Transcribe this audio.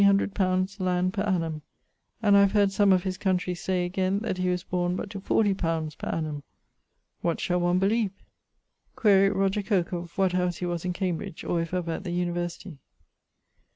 _ land per annum[CL], and I have heard some of his country say again that he was borne but to 40 li. per annum. What shall one beleeve? Quaere Roger Coke of what house he was in Cambridge, or if ever at the University.